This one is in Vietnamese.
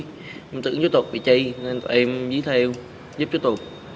tôi tưởng chú tục bị chây nên tụi em dí theo giúp chú tục